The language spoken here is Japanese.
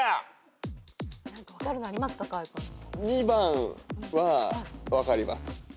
２番は分かります。